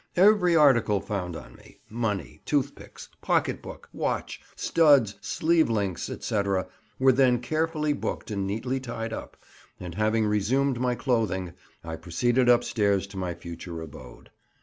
Every article found on me—money, toothpicks, pocket book, watch, studs, sleeve links, &c.—were then carefully booked and neatly tied up, and having resumed my clothing, I proceeded upstairs to my future abode.